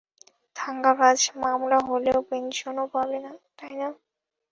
থাঙ্গারাজ, মামলা হলে পেনশনও পাবে না, তাই না?